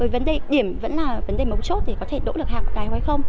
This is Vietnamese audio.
vấn đề điểm vẫn là vấn đề mấu chốt để có thể đỗ được hạng đại hội không